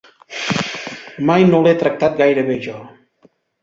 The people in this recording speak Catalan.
Mai no l'he tractat gaire bé, jo.